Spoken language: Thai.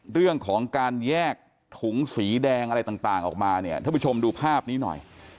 เรื่องของการแยกถุงสีแดงอะไรต่างออกมาเนี่ยท่านผู้ชมดูภาพนี้หน่อย